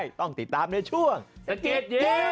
พี่รถสิบล้อนนี่อย่างกับนักดนตรงนักดนตรีที่อยู่บนเวที